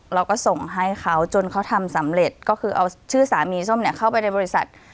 เราก็ส่งให้เขาจนเขาทำสำเร็จก็คือเอาชื่อสามีส้มเนี่ยเข้าไปในบริษัท